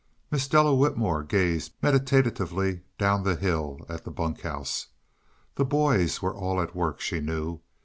Miss Della Whitmore gazed meditatively down the hill at the bunk house. The boys were all at work, she knew.